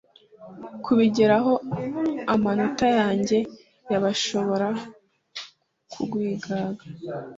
kubigeraho amanota yanjye yabashobora kukwigana